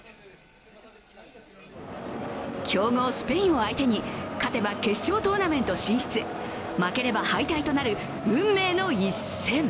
強豪スペインを相手に、勝てば決勝トーナメント進出、負ければ敗退となる運命の一戦。